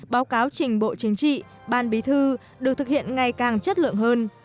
báo cáo trình bộ chính trị ban bí thư được thực hiện ngày càng chất lượng hơn